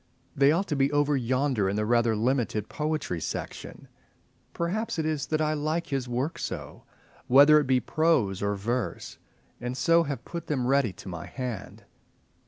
They ought to be over yonder in the rather limited Poetry Section. Perhaps it is that I like his work so, whether it be prose or verse, and so have put them ready to my hand.